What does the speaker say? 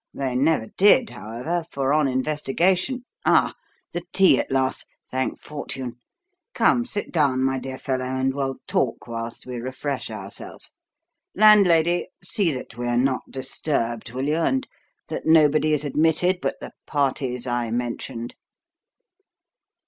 They never did, however, for on investigation Ah, the tea at last, thank fortune. Come, sit down, my dear fellow, and we'll talk whilst we refresh ourselves. Landlady, see that we are not disturbed, will you, and that nobody is admitted but the parties I mentioned?"